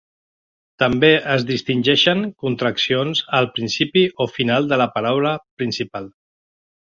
També es distingeixen contraccions al principi o final de la paraula principal.